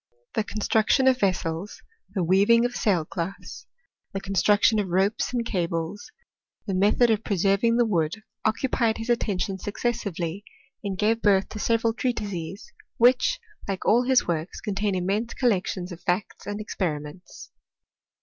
The con struction of vessels, the weaving of sailcloths, the construction of ropes and cables, the method of pre serving the wood, occupied his attention successively, and gave birth to several treatises, which, like all ms works, contain immense collections of facts and experi ments.